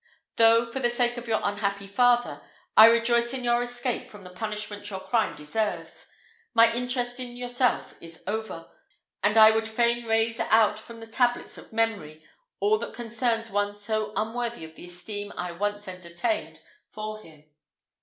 Though, for the sake of your unhappy father, I rejoice in your escape from the punishment your crime deserves, my interest in yourself is over; and I would fain rase out from the tablets of memory all that concerns one so unworthy of the esteem I once entertained for him."